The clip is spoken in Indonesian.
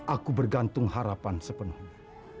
aku bergantung harapan sepenuhnya